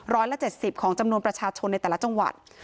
ร้อยละ๗๐ของจำนวนประชาชนในแต่ละจังหวัด